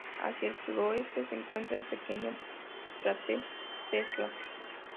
Hacia el suroeste se encuentra el pequeño cráter Tesla.